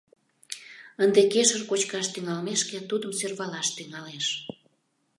— Ынде кешыр кочкаш тӱҥалмешке тудым сӧрвалаш тӱҥалеш!